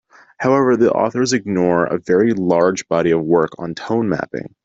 However, the authors ignore a very large body of work on tone mapping.